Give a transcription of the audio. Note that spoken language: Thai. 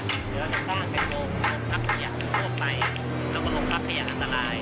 การปล่อยสิ้นในกรุกประพยากอัตรายค่อนข้างจะหลวงกรับทะเยียงอัตราย